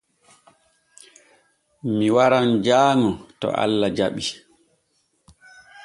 Mi waran jaaŋo to Allah jaɓii.